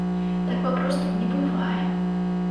Так папросту не бывае!